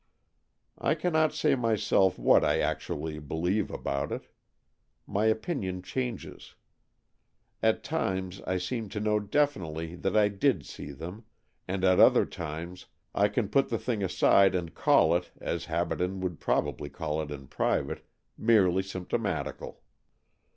I cannot say myself what I actually believe about it. My opinion changes. At times I seem to know definitely AN EXCHANGE OF SOULS 251 that I did see them, and at other times I can put the thing aside and call it, as Habaden would probably call it in private, merely symptomatical.